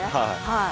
はい。